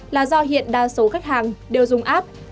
là do hiện đa số khách hàng đều dùng app